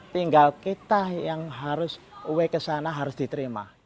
tinggal kita yang harus away ke sana harus diterima